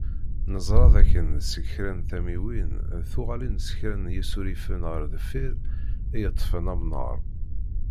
Neẓra d akken seg kra n tamiwin, d tuɣalin s kra n yisurifen ɣer deffir i yeṭṭfen amnaṛ.